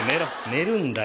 寝るんだよ！